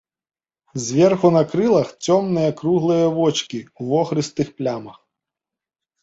Зверху на крылах цёмныя круглыя вочкі ў вохрыстых плямах.